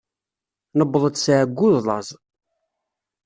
Newweḍ-d s ɛeyyu d laẓ.